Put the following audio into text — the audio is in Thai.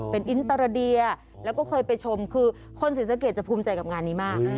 เป็นอินตราเดียแล้วก็เคยไปชมคือคนศรีสะเกดจะภูมิใจกับงานนี้มาก